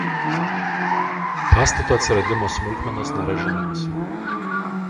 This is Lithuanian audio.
Pastato atsiradimo smulkmenos nėra žinomos.